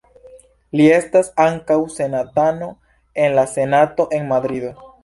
Li estas ankaŭ senatano en la Senato en Madrido.